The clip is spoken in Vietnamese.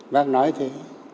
bác nói thế